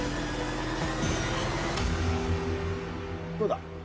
どうだ？